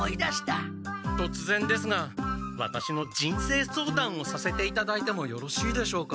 とつぜんですがワタシの人生相談をさせていただいてもよろしいでしょうか。